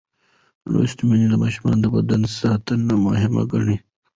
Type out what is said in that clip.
لوستې میندې د ماشوم د بدن ساتنه مهم ګڼي.